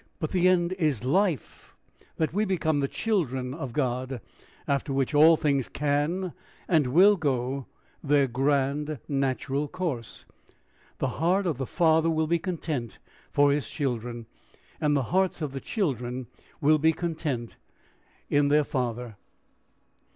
But the end is life that we become the children of God; after which, all things can and will go their grand, natural course; the heart of the Father will be content for his children, and the hearts of the children will be content in their Father.